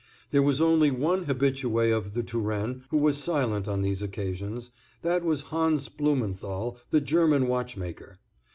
There was only one habitué of The Turenne who was silent on these occasions, that was Hans Blumenthal, the German watchmaker.